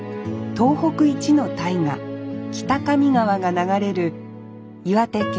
東北一の大河北上川が流れる岩手県